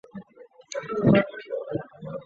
治所在齐熙县。